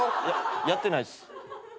いややってないっす。